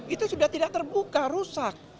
itu sudah tidak terbuka rusak